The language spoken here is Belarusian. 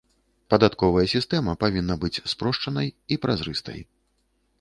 Падатковая сістэма павінна быць спрошчанай і празрыстай.